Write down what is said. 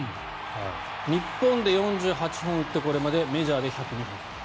日本で４８本打ってこれまでメジャーで１０２本。